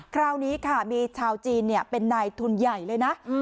คราวนี้ค่ะมีชาวจีนเป็นนายทุนใหญ่เลยนะ